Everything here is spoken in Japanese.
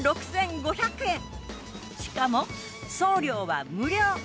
しかも送料は無料！